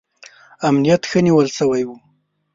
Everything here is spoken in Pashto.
امنیت ښه نیول شوی و.